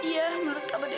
ya udah kita bisa